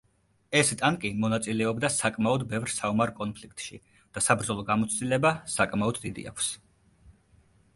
ეს ტანკი მონაწილეობდა საკმაოდ ბევრ საომარ კონფლიქტში და საბრძოლო გამოცდილება საკმაოდ დიდი აქვს.